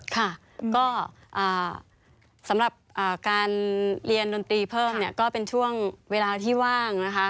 ค่ะก็สำหรับการเรียนดนตรีเพิ่มเนี่ยก็เป็นช่วงเวลาที่ว่างนะคะ